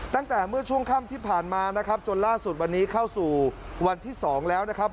ตั้งแต่เมื่อช่วงค่ำที่ผ่านมานะครับจนล่าสุดวันนี้เข้าสู่วันที่๒แล้วนะครับ